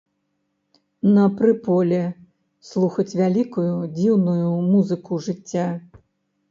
На прыполе слухаць вялікую, дзіўную музыку жыцця.